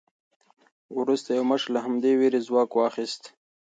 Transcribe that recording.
وروسته یو مشر له همدې وېرې ځواک واخیست.